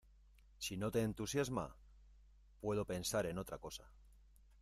Si no te entusiasma, puedo pensar en otra cosa.